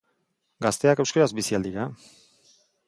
Gazteak euskaraz bizi al dira?